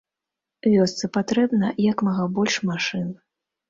Вёсцы патрэбна як мага больш машын.